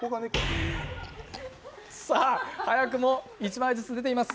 早くも１枚ずつ出ています。